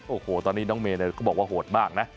โอ้โหตอนนี้น้องเมย์ก็บอกว่าโหดมากนะ